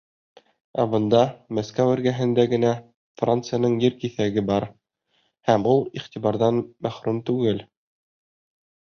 Ә бында, Мәскәү эргәһендә генә, Францияның ер киҫәге бар, һәм ул иғтибарҙан мәхрүм түгел.